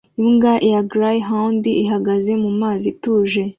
Imbwa ya Grayhound ihagaze mumazi atuje